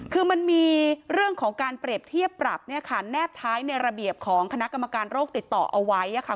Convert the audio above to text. คือมันมีเรื่องของการเปรียบเทียบปรับเนี่ยค่ะแนบท้ายในระเบียบของคณะกรรมการโรคติดต่อเอาไว้ค่ะ